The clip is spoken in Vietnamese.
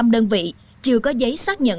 hai mươi năm đơn vị chưa có giấy xác nhận